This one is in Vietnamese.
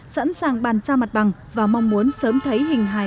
sẵn sàng bàn ra mặt bằng và mong muốn sớm thấy hình hài